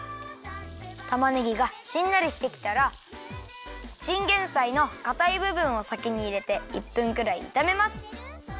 たまねぎがしんなりしてきたらチンゲンサイのかたいぶぶんをさきにいれて１分ぐらいいためます。